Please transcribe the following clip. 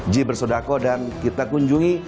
ji bersodako dan kita kunjungi